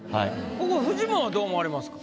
フジモンはどう思われますか？